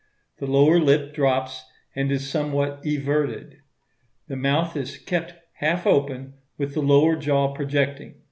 The lower lip drops, and is somewhat everted. The mouth is kept half open, with the lower jaw projecting.